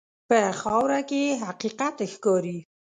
په خاوره کې حقیقت ښکاري.